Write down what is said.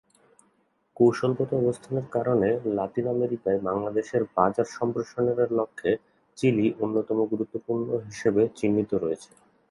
কৌশলগত অবস্থানের কারণে লাতিন আমেরিকায় বাংলাদেশের বাজার সম্প্রসারণের লক্ষ্যে চিলি অন্যতম গুরুত্বপূর্ণ হিসেবে চিহ্নিত হয়েছে।